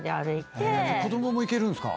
子供もいけるんすか？